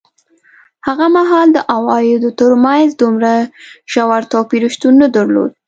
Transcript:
هغه مهال د عوایدو ترمنځ دومره ژور توپیر شتون نه درلود.